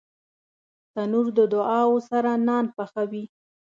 تنور د دعاوو سره نان پخوي